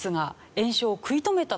延焼を食い止めた？